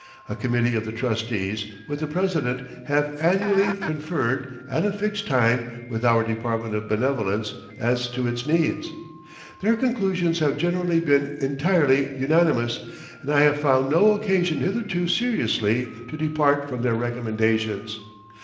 A committee of the trustees, with the president, have annually conferred, at a fixed time, with our Department of Benevolence, as to its needs. Their conclusions have generally been entirely unanimous and I have found no occasion hitherto seriously to depart from their recommendations.